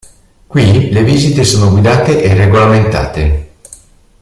Qui le visite sono guidate e regolamentate.